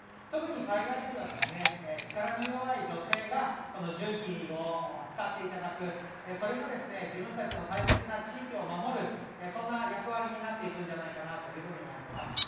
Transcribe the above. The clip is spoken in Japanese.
特に災害時は、力の弱い女性がこの重機を扱っていただく、それが自分たちの大切な地域を守る、そんな役割になっていくんじゃないかなというふうに思っています。